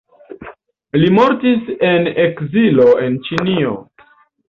Li mortis en ekzilo en Ĉilio.